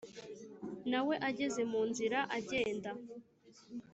nawe ageze munzira agenda